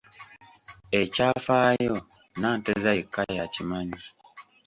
Ekyafaayo Nanteza yekka y'akimanyi.